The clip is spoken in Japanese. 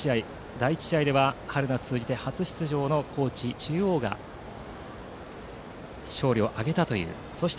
第１試合は春夏通じて初出場の高知中央が勝利を挙げました。